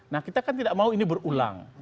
nah kita kan tidak mau ini berulang